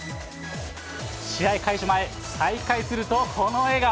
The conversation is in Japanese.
試合開始前、再会すると、この笑顔。